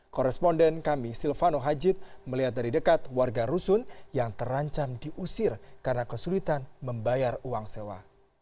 koresponden kami silvano hajid melihat dari dekat warga rusun yang terancam diusir karena kesulitan membayar uang sewa